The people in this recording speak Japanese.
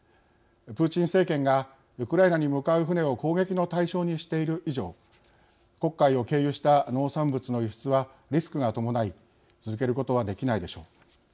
プーチン政権がウクライナに向かう船を攻撃の対象にしている以上黒海を経由した農産物の輸出はリスクが伴い続けることはできないでしょう。